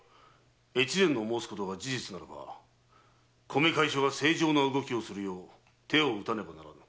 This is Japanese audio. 越前の申すことが事実なら米会所が正常な動きをするよう手を打たねば。